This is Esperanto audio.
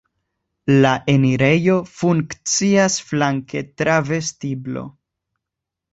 La enirejo funkcias flanke tra vestiblo.